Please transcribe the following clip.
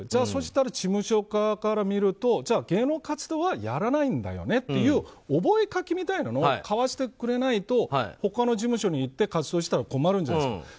そうしたら事務所側から見るとじゃあ芸能活動はやらないんだよねっていう覚書みたいなのを交わしてくれないと他の事務所に行って活動したら困るじゃないですか。